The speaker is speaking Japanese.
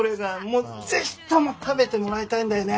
もうぜひとも食べてもらいたいんだよね。